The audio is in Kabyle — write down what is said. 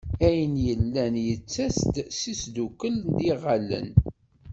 Ayen yellan yettas-d s usdukel n yiɣallen.